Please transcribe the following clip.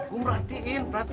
gue merhatiin perhatian